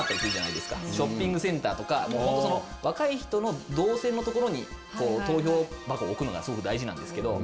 ショッピングセンターとか若い人の動線のところに投票箱を置くのがすごく大事なんですけど。